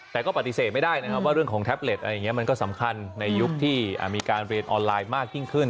แต่ก็ปฏิเสธไม่ได้นะครับว่าเรื่องของแท็บเล็ตอะไรอย่างนี้มันก็สำคัญในยุคที่มีการเรียนออนไลน์มากยิ่งขึ้น